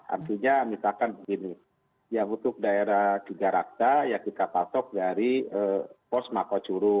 artinya misalkan begini ya untuk daerah giga raksa yang kita pasok dari pos makacuru